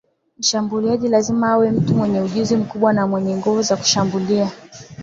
mshambuluaji lazima awe mtu mwenye ujuzi mkubwa na mwenye nguvu za kushambulia